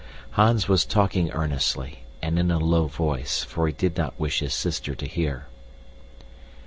Hans was talking earnestly, and in a low voice, for he did not wish his sister to hear.